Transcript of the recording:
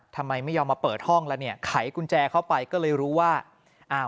ทำไมไม่ยอมมาเปิดห้องแล้วเนี่ยไขกุญแจเข้าไปก็เลยรู้ว่าอ่า